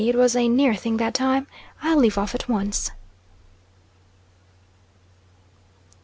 it was a near thing that time. I'll leave off at once.